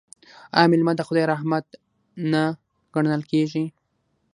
آیا میلمه د خدای رحمت نه ګڼل کیږي؟